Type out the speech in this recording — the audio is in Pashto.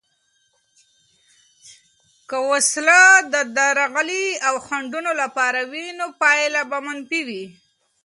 که وسله د درغلي او خنډونو لپاره وي، نو پایله به منفي وي.